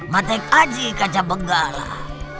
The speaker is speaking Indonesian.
matek haji kacabenggalah